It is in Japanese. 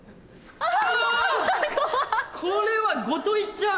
これはごと行っちゃう。